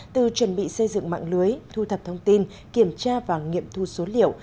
từ chuẩn bị xây dựng mạng lưới thu thập thông tin kiểm tra và nghiệm thu số liệu